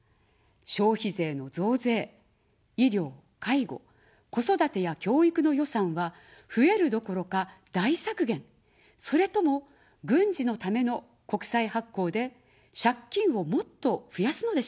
消費税の増税、医療、介護、子育てや教育の予算は増えるどころか、大削減、それとも、軍事のための国債発行で借金をもっと増やすのでしょうか。